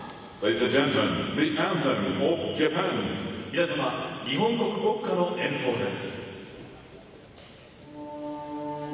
皆様、日本国国歌の演奏です。